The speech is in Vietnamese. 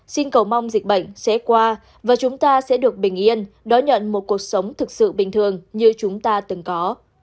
xin cầu mong dịch bệnh sẽ qua và chúng ta sẽ được bình yên đón nhận một cuộc sống thực sự bình thường như chúng ta từng có